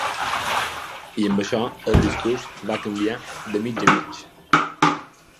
I amb això el discurs va canviar de mig a mig.